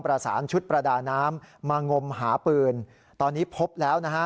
ประสานชุดประดาน้ำมางมหาปืนตอนนี้พบแล้วนะฮะ